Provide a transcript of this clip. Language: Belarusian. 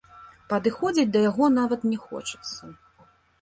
Падыходзіць да яго нават не хочацца.